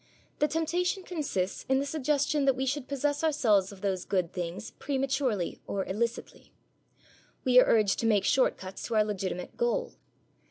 The temptation consists in the suggestion that we should possess ourselves of those good things prematurely or illicitly. We are urged to make short cuts to our legitimate goal.